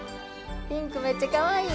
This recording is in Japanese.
ピンクめっちゃかわいい。